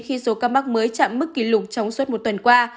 khi số ca mắc mới chạm mức kỷ lục trong suốt một tuần qua